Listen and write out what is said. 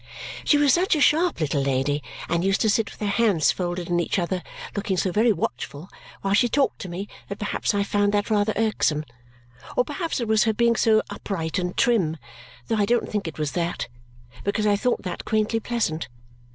She was such a sharp little lady and used to sit with her hands folded in each other looking so very watchful while she talked to me that perhaps I found that rather irksome. Or perhaps it was her being so upright and trim, though I don't think it was that, because I thought that quaintly pleasant.